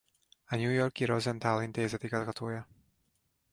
A New York-i Rosenthal Intézet igazgatója.